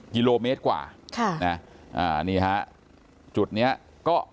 กิโลเมตรกว่าค่ะนะนี่ฮะจุดเนี้ยก็